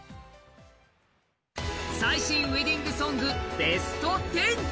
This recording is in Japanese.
最新ウエディングソング、ベスト１０。